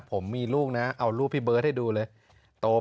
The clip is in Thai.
ผมมีลูกนะเอารูปพี่เบิร์ตให้ดูเลย